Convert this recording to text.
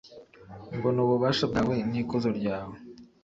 mbona ububasha bwawe n’ikuzo ryawe